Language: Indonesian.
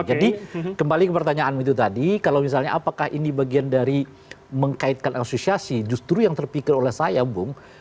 jadi kembali ke pertanyaan itu tadi kalau misalnya apakah ini bagian dari mengkaitkan asosiasi justru yang terpikir oleh saya bung